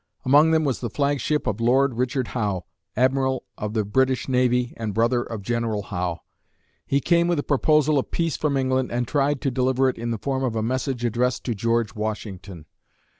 Among them was the flagship of Lord Richard Howe, Admiral of the British Navy and brother of General Howe. He came with a proposal of peace from England and tried to deliver it in the form of a message addressed to "George Washington."